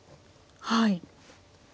はい。